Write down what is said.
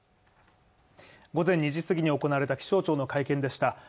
午前２時過ぎに行われた気象庁の会見でした。